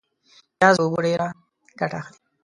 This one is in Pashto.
پیاز له اوبو ډېر ګټه اخلي